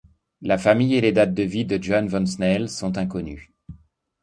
La famille et les dates de vie de Johann van Snell sont inconnues.